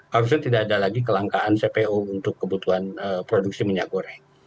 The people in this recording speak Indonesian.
harusnya tidak ada lagi kelangkaan cpo untuk kebutuhan produksi minyak goreng